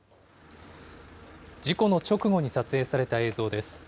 事故の直後に撮影された映像です。